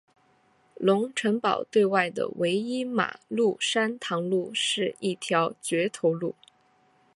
龙成堡对外的唯一马路山塘路是一条掘头路。